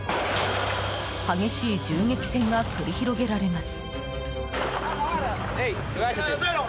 激しい銃撃戦が繰り広げられます。